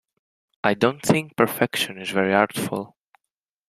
I don't think perfection is very artful.